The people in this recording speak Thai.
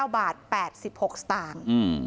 ๓๖๙๖๘๙บาท๘๖สตางค์